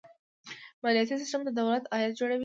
مالیاتي سیستم د دولت عاید جوړوي.